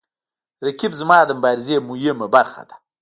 رقیب زما د مبارزې مهمه برخه ده